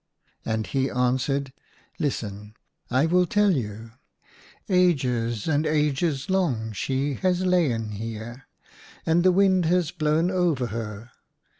And he answered, " Listen, I will tell you ! Ages and ages long she has lain here, and the wind has blown over her.